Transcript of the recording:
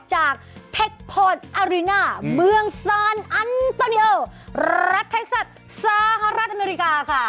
จากเผ็กพลอดอาริน่าเมืองซานอันตอนิโอรัสเทคสัตว์สหรัฐอเมริกาค่ะ